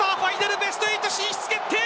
ベスト８進出決定。